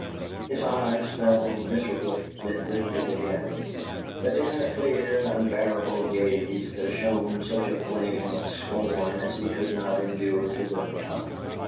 His eyes fell miserably, then lifted again; but in her clear and unbearable gaze there shone such a flame of scorn as he could not endure to look upon.